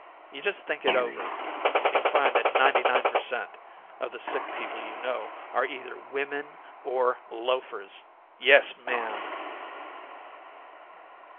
You just think it over and you'll find that ninety nine per cent. of the sick people you know are either women or loafers. Yes, ma'am!"